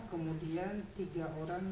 kemudian tiga orang